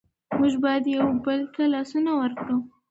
موږ باید یو بل ته لاسونه ورکړو.